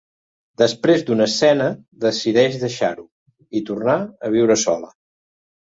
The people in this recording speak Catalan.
Després d'una escena, decideix deixar-ho, i tornar a viure sola.